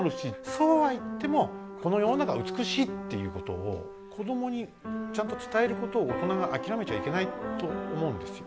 そうは言ってもこの世の中は美しいっていうことを子どもにちゃんと伝えることを大人が諦めちゃいけないと思うんですよ。